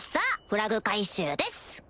フラグ回収です